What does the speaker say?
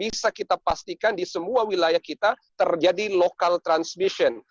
bisa kita pastikan di semua wilayah kita terjadi local transmission